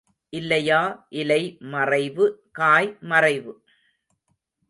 இல்லையா இலை மறைவு, காய் மறைவு?